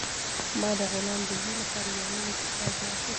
ما د غلام د زوی لپاره یو نوی کتاب واخیست.